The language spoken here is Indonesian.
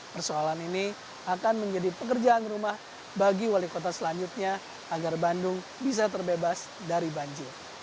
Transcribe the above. persoalan ini akan menjadi pekerjaan rumah bagi wali kota selanjutnya agar bandung bisa terbebas dari banjir